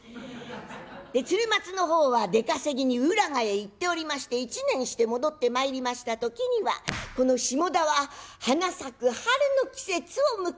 鶴松の方は出稼ぎに浦賀へ行っておりまして１年して戻ってまいりました時にはこの下田は花咲く春の季節を迎えておりました。